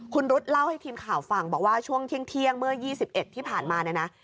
คุณรุ๊ดเล่าให้ทีมข่าวฟังบอกว่าช่วงเที่ยงเมื่อ๒๑ที่ผ่านมาเนี่ยนะ